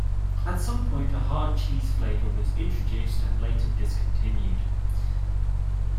At some point a Hard Cheese flavour was introduced and later discontinued.